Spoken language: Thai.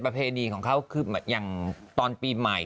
พระเพดีของเขาตอนปีใหม่